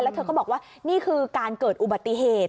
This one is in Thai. เธอก็บอกว่านี่คือการเกิดอุบัติเหตุ